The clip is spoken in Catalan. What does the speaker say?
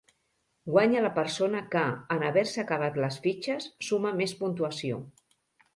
Guanya la persona que, en haver-se acabat les fitxes, suma més puntuació.